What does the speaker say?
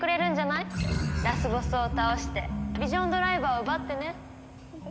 ラスボスを倒してヴィジョンドライバーを奪ってね。